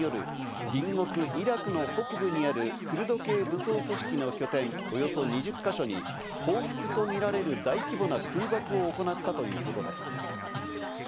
トルコ国防省によりますと、トルコ軍が１日夜、隣国イラクの北部にあるクルド系武装組織の拠点、およそ２０か所に報復とみられる大規模な空爆を行ったということです。